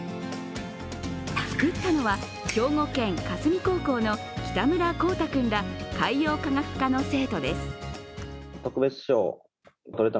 作ったのは、兵庫県香住高校の北村空大君ら海洋科学科の生徒です。